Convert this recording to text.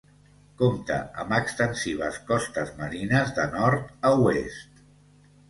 Compta amb extensives costes marines de nord a oest.